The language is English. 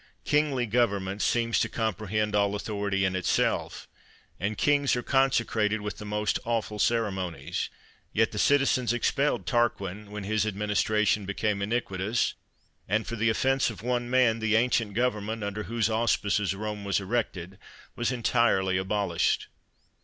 Kingly government seems to comprehend all authority in itself, and kings are consecrated with the most awful ceremonies; yet the citizens expelled Tar qin, when his administration became iniquitous, and, for the offense of one man, the ancient government, under whose auspices Eome was erected, was entirely abolished.